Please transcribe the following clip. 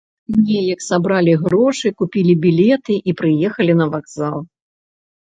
Неяк сабралі грошы, купілі білеты і прыехалі на вакзал.